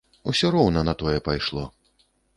Усё роўна на тое пайшло.